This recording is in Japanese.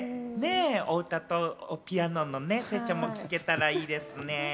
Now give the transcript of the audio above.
お歌とピアノのね、セッションも聞けたらいいですね。